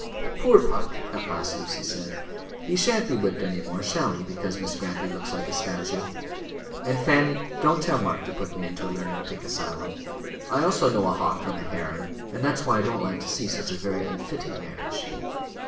"Poor Puck!" at last Lucy said. "He shan't be whipped any more, shall he, because Miss Grantly looks like a statue? And, Fanny, don't tell Mark to put me into a lunatic asylum. I also know a hawk from a heron, and that's why I don't like to see such a very unfitting marriage."